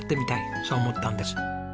そう思ったんです。